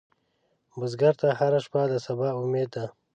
بزګر ته هره شپه د سبا امید ده